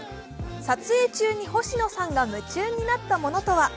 撮影中に星野さんが夢中になったものとは。